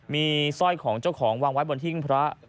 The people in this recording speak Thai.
มีสร้อยของเจ้าของวางไว้บนหิ้งพระ